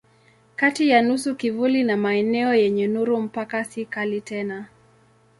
Kati ya nusu kivuli na maeneo yenye nuru mpaka si kali tena.